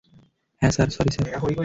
হ্যাঁ sir, sorry sir.